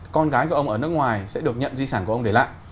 con gái của ông ở nước ngoài sẽ được nhận di sản của ông để lại